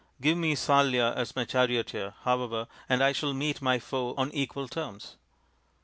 Give me Salya as my charioteer, however, and I shall meet my foe on equal terms."